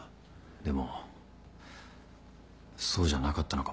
でもそうじゃなかったのかもしれない。